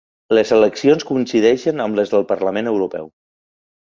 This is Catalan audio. Les eleccions coincideixen amb les del Parlament Europeu.